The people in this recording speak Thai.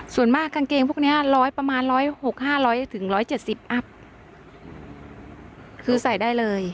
ส่วนมากกางเกงพวกเนี่ยประมาณ๑๐๐๕๐๐ถึง๑๗๐อัพคือใส่ได้เลย